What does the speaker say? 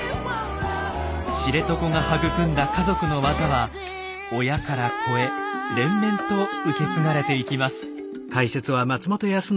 知床が育んだ家族の技は親から子へ連綿と受け継がれていきます。